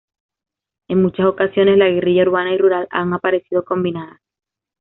En muchas ocasiones, la guerrilla urbana y rural han aparecido combinadas.